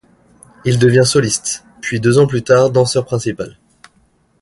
Il devient soliste, puis deux ans plus tard danseur principal.